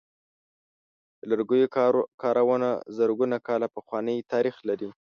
د لرګیو کارونه زرګونه کاله پخوانۍ تاریخ لري.